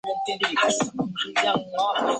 清代康熙二十年也曾有过受损和修复纪录。